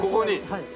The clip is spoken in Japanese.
はい。